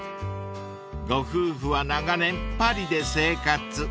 ［ご夫婦は長年パリで生活］